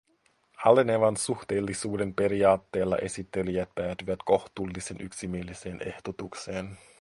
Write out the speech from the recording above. Alenevan suhteellisuuden periaatteella esittelijät päätyvät kohtuullisen yksimieliseen ehdotukseen.